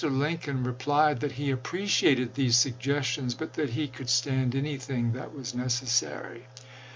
Lincoln replied that he appreciated these sug gestions, but that he could stand anything that was necessary.